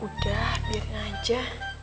udah biarin aja